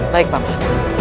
baik pak man